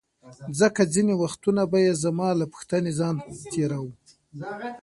ځکه ځیني وختونه به یې زما له پوښتنې ځان تیراوه.